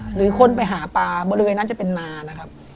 หรือคนไปหาปลาบริเวณนั้นจะเป็นนานะครับ